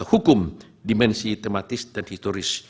hukum dimensi tematis dan historis